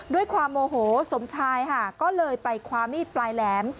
ด้วยความโมโหสมชายค่ะก็เลยไปคว้ามีดปลายแหลม